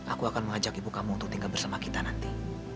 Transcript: aku akan mengajak ibu kamu untuk tinggal bersama kita nanti